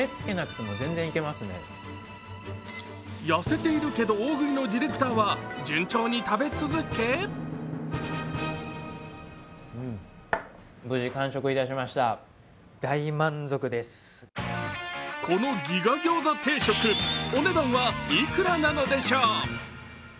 痩せているけど大食いのディレクターは順調に食べ続けこのギガ餃子定食お値段はいくらなのでしょう？